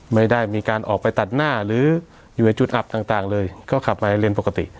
ไม่ได้มีการออกไปตัดหน้าหรืออยู่ในจุดอับต่างเลยก็ขับมาเลนสปกติ